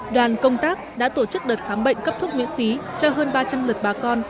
đoàn công tác đã tổ chức đợt khám bệnh cấp thuốc miễn phí cho hơn ba trăm linh lượt bà con